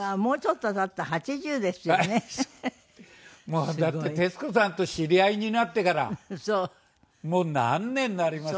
もうだって徹子さんと知り合いになってから何年になります？